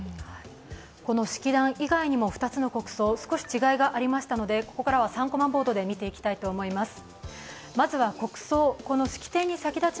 この式壇以外にも２つの国葬少し違いがありましたのでここからは３コマボードで見ていきたいと思います。